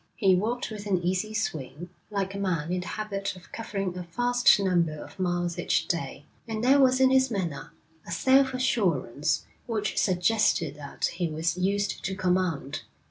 He walked with an easy swing, like a man in the habit of covering a vast number of miles each day, and there was in his manner a self assurance which suggested that he was used to command.